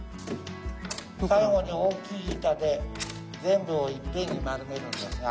最後に大きい板で全部をいっぺんに丸めるんですが。